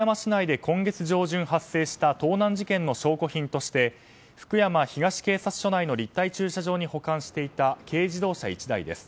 盗まれたのは福山市内で今月上旬発生した盗難事件の証拠品として福山東警察署内の立体駐車場に保管していた軽自動車１台です。